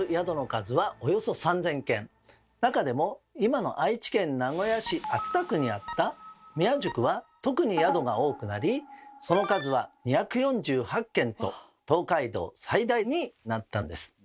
中でも今の愛知県名古屋市熱田区にあった宮宿は特に宿が多くなりその数は２４８軒と東海道最大になったんです。